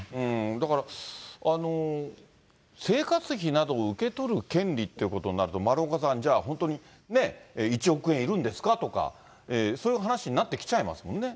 だから、生活費などを受け取る権利っていうになると、丸岡さん、じゃあ本当にね、１億円いるんですかとか、そういう話になってきちゃいますもんね。